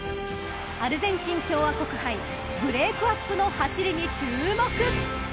［アルゼンチン共和国杯ブレークアップの走りに注目！］